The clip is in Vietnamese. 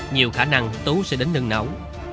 nhiều khả năng tú sẽ đến nương nấu